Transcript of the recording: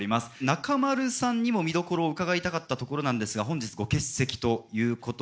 中丸さんにも見どころを伺いたかったところなんですが本日ご欠席ということで。